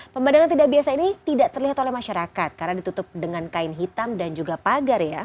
pemandangan tidak biasa ini tidak terlihat oleh masyarakat karena ditutup dengan kain hitam dan juga pagar ya